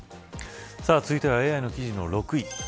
続いてはＡＩの記事の６位。